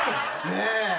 ねえ。